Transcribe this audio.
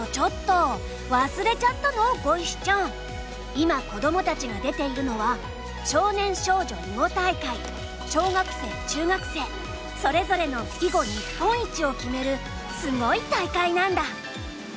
今こどもたちが出ているのは小学生中学生それぞれの囲碁日本一を決めるすごい大会なんだ。